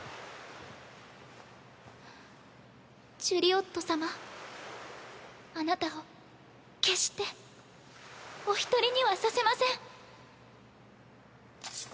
ジュリ夫様あなたを決してお一人にはさせません。